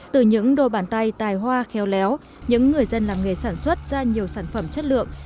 từ những đôi bàn tay tài hoa khéo léo những người dân làm nghề sản xuất ra nhiều sản phẩm chất lượng